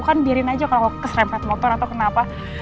kan biarin aja kalau keserempet motor atau kenapa